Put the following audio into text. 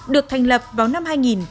được thành lập vào năm hai nghìn một mươi năm